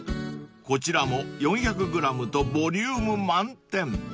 こちらも４００ｇとボリューム満点］